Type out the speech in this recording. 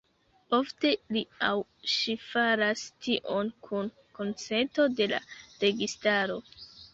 Ofte li aŭ ŝi faras tion kun konsento de la registaro.